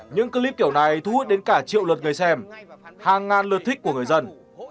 những clip kiểu này thu hút đến cả triệu lượt người xem hàng ngàn lượt thích của người dân